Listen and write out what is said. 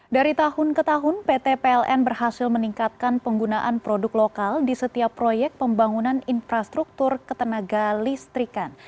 dari tahun ke tahun pt pln berhasil meningkatkan penggunaan produk lokal di setiap proyek pembangunan infrastruktur ketenaga listrikan